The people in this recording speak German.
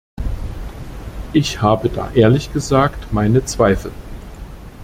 Ich habe da, ehrlich gesagt, meine Zweifel.